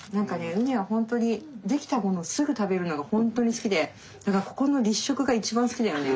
羽根はほんとに出来たものをすぐ食べるのが本当に好きでだからここの立食が一番好きだよね